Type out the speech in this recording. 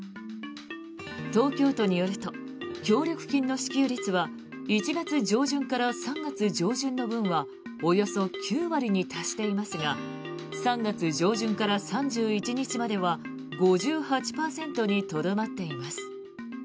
東京都によると協力金の支給率は１月上旬から３月上旬の分はおよそ９割に達していますが３月上旬から３１日までは５８％にとどまっています。